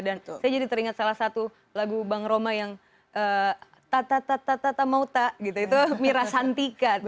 dan saya jadi teringat salah satu lagu bang roma yang ta ta ta ta ta mau ta gitu itu mirasantikan